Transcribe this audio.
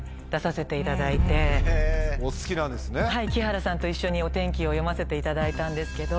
はい木原さんと一緒にお天気を読ませていただいたんですけど。